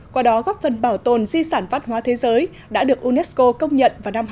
qua đó góp phần bảo tồn di sản văn hóa thế giới đã được unesco công nhận vào năm hai nghìn một mươi